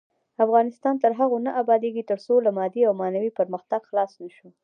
افغانستان تر هغو نه ابادیږي، ترڅو له مادي او معنوي پرمختګ خلاص نشو.